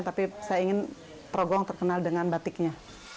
tapi saya ingin progong terkenal dengan batiknya